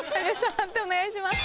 判定お願いします。